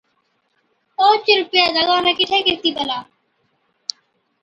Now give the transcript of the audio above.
اوهچ روپيا دگا ۾ ڪِٺِي ڪِرتِي پلا۔